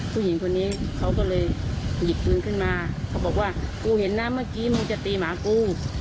ผู้หญิงคนนี้เขาก็เลยหยิบปืนขึ้นมาเขาบอกว่ากูเห็นนะเมื่อกี้มึงจะตีหมากู